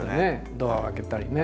ドアを開けたりね。